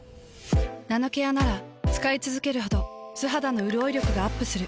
ナノケアなら使いつづけるほど素肌のうるおい力がアップする。